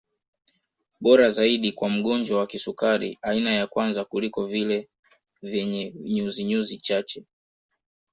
Bora zaidi kwa mgonjwa wa kisukari aina ya kwanza kuliko vile vyenye nyuzinyuzi chache